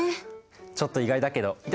ちょっと意外だけど頂きます！